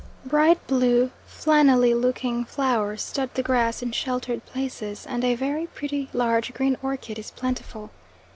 Bright blue, flannelly looking flowers stud the grass in sheltered places and a very pretty large green orchid is plentiful.